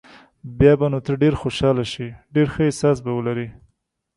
بیا به نو ته ډېر خوشاله شې، ډېر ښه احساس به ولرې.